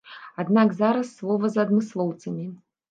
Аднак зараз слова за адмыслоўцамі.